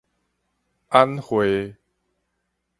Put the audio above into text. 按會